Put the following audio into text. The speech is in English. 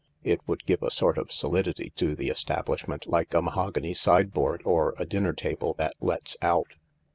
It would give a sort of solidity to the establishment, like a mahogany sideboard or a dinner table that lets out."